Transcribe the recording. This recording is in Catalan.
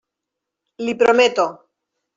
L'hi prometo.